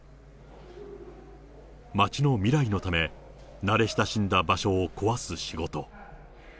町の未来のため、慣れ親しんだ場所を壊す仕事。